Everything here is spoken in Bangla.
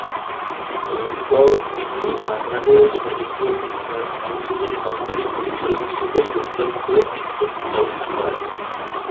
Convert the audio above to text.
এরপর তিনি বাংলাদেশ মেডিকেল রিসার্চ কাউন্সিলে সহকারী পরিচালক হিসেবে যোগদান করে তিন বছর গবেষণা করেন।